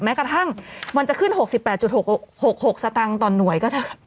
แม้กระทั่งมันจะขึ้น๖๘๖๖สตางค์ต่อหน่วยก็ตาม